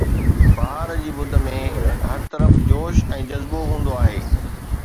بهار جي مند ۾ هر طرف جوش ۽ جذبو هوندو آهي